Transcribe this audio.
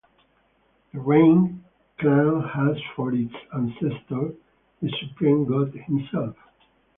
The Rain clan has for its ancestor the supreme god himself.